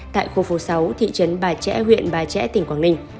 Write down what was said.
tại khu phố sáu thị trấn bà trẻ huyện ba trẻ tỉnh quảng ninh